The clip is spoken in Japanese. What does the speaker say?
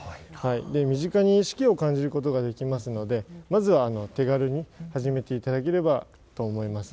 身近に四季を感じることができますのでまずは、手軽に始めていただければと思います。